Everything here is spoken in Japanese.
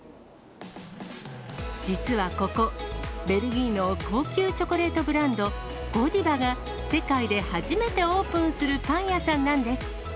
実はここ、ベルギーの高級チョコレートブランド、ゴディバが、世界で初めてオープンするパン屋さんなんです。